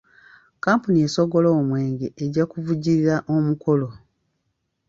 Kkampuni esogola omwenge ejja kuvujjirira omukolo.